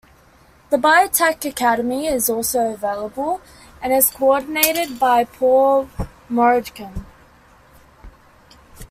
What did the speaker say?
The Biotech Academy is also available, and is coordinated by Paul Moradkhan.